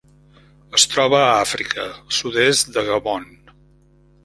Es troba a Àfrica: sud-est de Gabon.